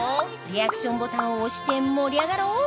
リアクションボタンを押して盛り上がろう！